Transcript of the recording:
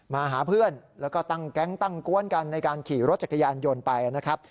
มาหาเพื่อนแล้วก็ตั้งแก๊งตั้งกวนกันในการขี่รถจักรยานยนต์ไปนะครับ